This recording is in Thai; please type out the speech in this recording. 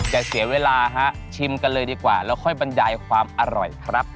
เสียเวลาฮะชิมกันเลยดีกว่าแล้วค่อยบรรยายความอร่อยครับ